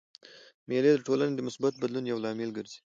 مېلې د ټولني د مثبت بدلون یو لامل ګرځي.